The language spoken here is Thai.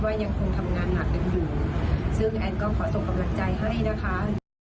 ยังคงทำงานหนักกันอยู่ซึ่งแอนก็ขอส่งกำลังใจให้นะคะ